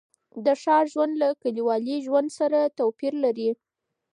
د ښار ژوند له کلیوالي ژوند سره توپیر لري.